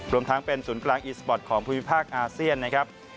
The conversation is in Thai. รวมทั้งเป็นศูนย์กลางอีสปอร์ตของภูมิภาคอาเซียนนะครับ